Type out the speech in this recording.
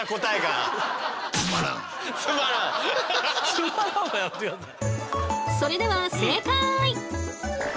「つまらん」はやめて下さい。